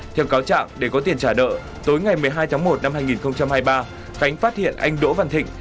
theo cáo trạng để có tiền trả đỡ tối ngày một mươi hai một hai nghìn hai mươi ba khánh phát hiện anh đỗ văn thịnh